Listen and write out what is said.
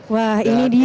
wah ini dia ya